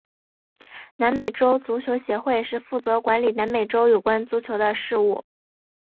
南美洲足球协会是负责管理南美洲有关足球的事务。